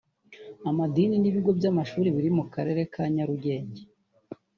amadini n’ibigo by’amashuri biri mu karere ka Nyarugenge